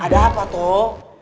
eh ada apa toh